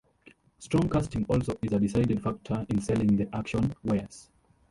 Strong casting also is a decided factor in selling the action wares.